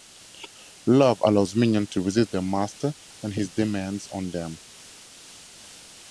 Love allows minions to resist their Master and his demands on them.